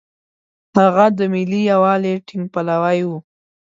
هغه د ملي یووالي ټینګ پلوی و.